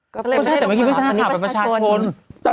ก็ใช่แต่ไม่ใช่นักข่าวแต่ประชาชน